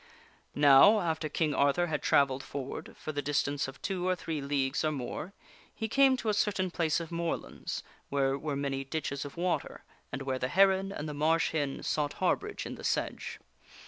Now, after King Arthur had travelled forward for the distance of two or three leagues or more, he came to a certain place of moorlands, where were many ditches of water, and where the heron and the marsh hen sought harborage in the sedge.